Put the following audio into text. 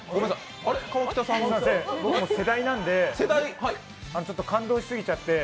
すみません、僕も世代なんでちょっと感動しすぎちゃって。